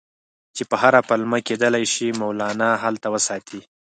چې په هره پلمه کېدلای شي مولنا هلته وساتي.